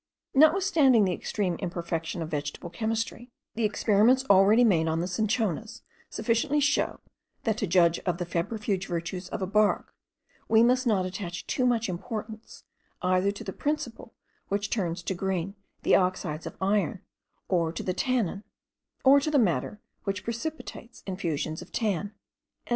Notwithstanding the extreme imperfection of vegetable chemistry, the experiments already made on cinchonas sufficiently show, that to judge of the febrifuge virtues of a bark, we must not attach too much importance either to the principle which turns to green the oxides of iron, or to the tannin, or to the matter which precipitates infusions of tan.)